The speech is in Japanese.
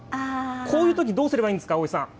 こういうとき、どうすればいいんですか？